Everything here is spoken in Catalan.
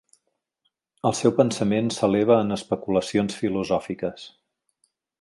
El seu pensament s'eleva en especulacions filosòfiques.